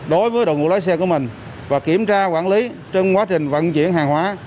đối với đội ngũ lái xe của mình và kiểm tra quản lý trong quá trình vận chuyển hàng hóa